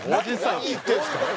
何言ってるんですか。